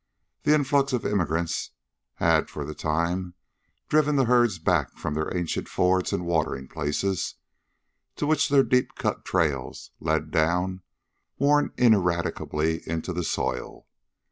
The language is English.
The influx of emigrants had for the time driven the herds back from their ancient fords and watering places, to which their deep cut trails led down, worn ineradicably into the soil.